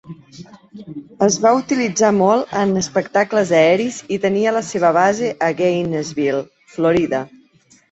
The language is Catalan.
Es va utilitzar molt en espectacles aeris i tenia la seva base a Gainesville, Florida.